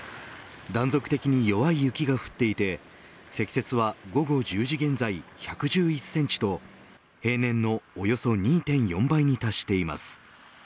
断続的に弱い雪が降っていて積雪は午後１０時現在１１１センチと平年のおよそ２．４倍に達しています。